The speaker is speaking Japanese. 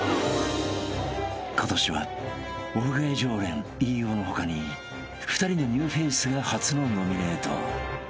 ［今年はオフガヤ常連飯尾の他に２人のニューフェースが初のノミネート］